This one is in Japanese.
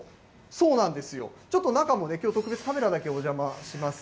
そうなんですよ、ちょっと中もね、きょう特別、カメラだけお邪魔します。